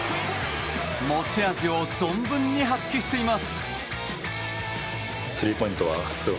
持ち味を存分に発揮しています。